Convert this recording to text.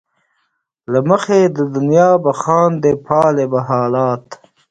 له مخې د دنیا به خاندې ،پالې به حالات